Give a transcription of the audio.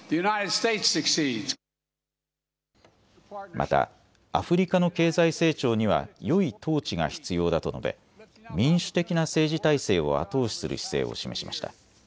またアフリカの経済成長にはよい統治が必要だと述べ民主的な政治体制を後押しする姿勢を示しました。